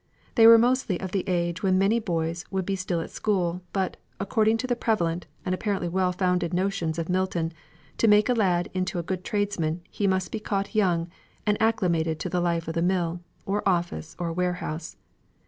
They were mostly of the age when many boys would be still at school, but, according to the prevalent, and, apparently well founded notions of Milton, to make a lad into a good tradesman he must be caught young, and acclimated to the life of the mill, or office, or warehouse.